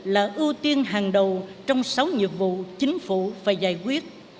là ưu tiên hàng đầu trong sáu nhiệm vụ chính phủ phải giải quyết